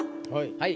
はい。